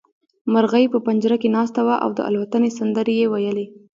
مرغۍ په پنجره کې ناسته وه او د الوتنې سندرې يې ويلې.